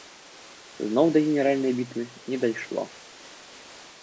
Зноў да генеральнай бітвы не дайшло.